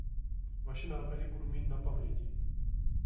Vaše návrhy budu mít na paměti.